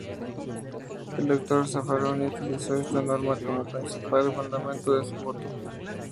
El Dr. Zaffaroni utilizó esta norma como principal fundamento de su voto.